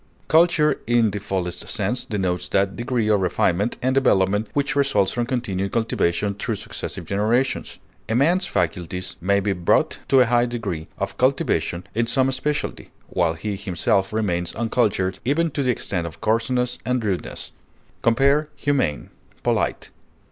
Culture in the fullest sense denotes that degree of refinement and development which results from continued cultivation through successive generations; a man's faculties may be brought to a high degree of cultivation in some specialty, while he himself remains uncultured even to the extent of coarseness and rudeness. Compare HUMANE; POLITE.